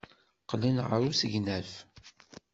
Qqlen ɣer usegnaf.